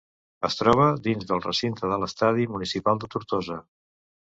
Es troba dins del recinte de l'Estadi Municipal de Tortosa.